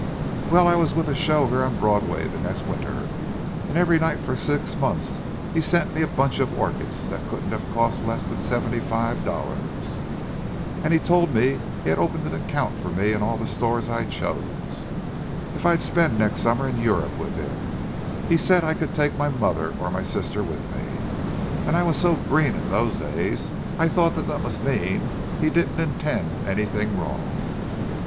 "Well, I was with a show here on Broadway the next winter; and every night for six months he sent me a bunch of orchids that couldn't have cost less than seventy five dollars! And he told me he'd open accounts for me in all the stores I chose, if I'd spend the next summer in Europe with him. He said I could take my mother or my sister with me—and I was so green in those days, I thought that must mean he didn't intend anything wrong!"